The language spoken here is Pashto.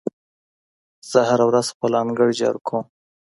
زه هره ورځ خپل انګړ جارو کوم.